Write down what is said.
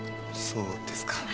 そうですか。